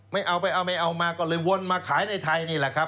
ไม่เอาไปเอาไม่เอามาก็เลยวนมาขายในไทยนี่แหละครับ